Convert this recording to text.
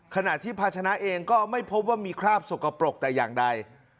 ขณะที่ภาชนะเองก็ไม่พบว่ามีคราบสกปรกแต่อย่างใด